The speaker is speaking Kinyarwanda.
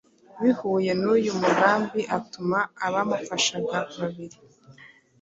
Bihuye n’uyu mugambi “Atuma abamufashaga babiri,